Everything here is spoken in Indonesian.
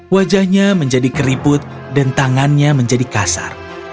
wajahnya menjadi keriput dan tangannya menjadi kasar